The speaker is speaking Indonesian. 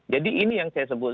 jadi ini yang saya sebut